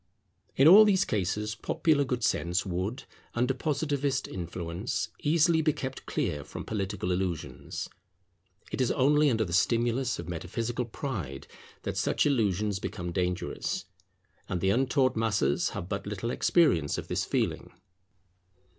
In all these cases popular good sense would, under Positivist influence, easily be kept clear from political illusions. It is only under the stimulus of metaphysical pride that such illusions become dangerous; and the untaught masses have but little experience of this feeling.